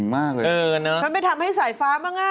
ทำไมทำให้สายฟ้ามาง่ะ